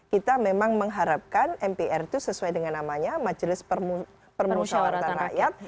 kita memang mengharapkan mpr itu sesuai dengan namanya majelis permusawaratan rakyat